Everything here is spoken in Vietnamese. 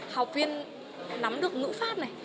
học viên nắm được ngữ pháp này